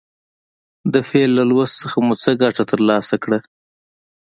د فعل له لوست څخه مو څه ګټه تر لاسه کړه.